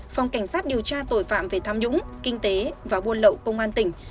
phòng cảnh sát điều tra tội phạm về tham nhũng kinh tế và buôn lậu công an tỉnh